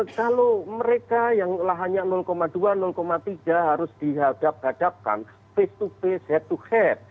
kalau mereka yang lahannya dua tiga harus dihadap hadapkan face to face head to head